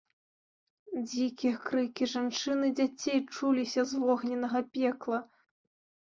Дзікія крыкі жанчын і дзяцей чуліся з вогненнага пекла.